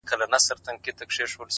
خدای زموږ معبود دی او رسول مو دی رهبر;